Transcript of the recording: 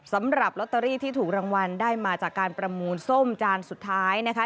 สำหรับลอตเตอรี่ที่ถูกรางวัลได้มาจากการประมูลส้มจานสุดท้ายนะคะ